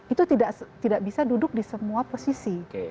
itu tidak bisa duduk di semua posisi